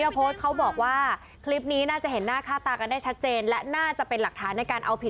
เอาเป็นว่าเจ้าของคลิปนี้